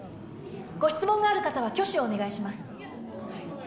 ご質問がある方は挙手をお願いします。